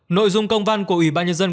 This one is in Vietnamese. nội dung công văn của ủy ban nhân dân